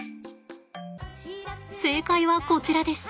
正解はこちらです。